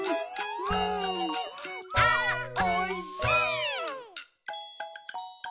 「あーおいしい」